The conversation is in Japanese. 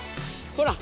ほら！